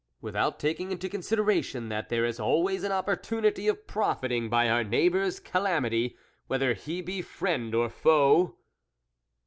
" Without taking into consideration that there is always an opportunity of profiting by our neighbour's calamity, whether he be friend or foe."